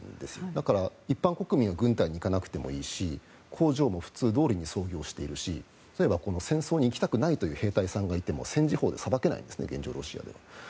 だから、一般国民は軍隊に行かなくていいし工場も普通どおりに操業しているし戦争に行きたくないという兵隊さんがいても戦時法で裁けないんですね現状、ロシアでは。